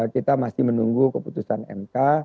kita masih menunggu keputusan mk